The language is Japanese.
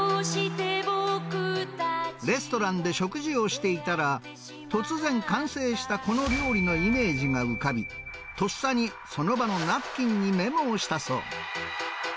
レストランで食事をしていたら、突然、完成したこの料理のイメージが浮かび、とっさにその場のナプキンにメモしたそう。